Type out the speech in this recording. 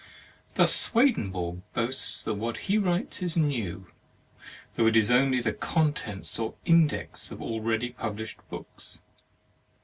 "Thus Swedenborg boasts that what he writes is new ; though it is only the contents or index of already published books.